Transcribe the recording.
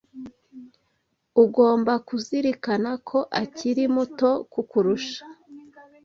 Ugomba kuzirikana ko akiri muto kukurusha.